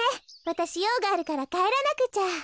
わたしようがあるからかえらなくちゃ。